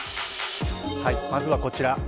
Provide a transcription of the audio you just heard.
まずはこちら。